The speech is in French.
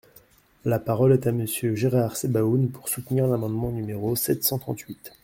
La parole est à Monsieur Gérard Sebaoun, pour soutenir l’amendement numéro sept cent trente-huit.